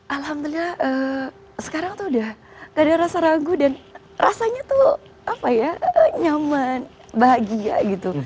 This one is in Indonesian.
alhamdulillah sekarang tuh udah gak ada rasa ragu dan rasanya tuh apa ya nyaman bahagia gitu